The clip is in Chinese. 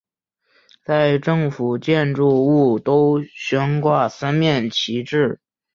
在政府建筑物都悬挂三面旗帜。